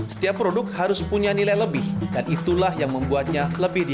setiap produk harus punya nilai lebih dan itulah yang membuatnya lebih dikenal